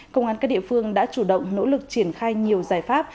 công an các địa phương đã chủ động nỗ lực triển khai nhiều giải pháp